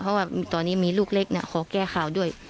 เพราะว่าตอนนี้มีลูกเล็กขอแก้ข่าวด้วย